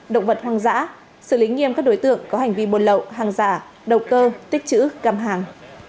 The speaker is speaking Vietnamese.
động vật hoang dã xử lý nghiêm các đối tượng có hành vi buôn lậu hàng giả đầu cơ tích chữ găm hàng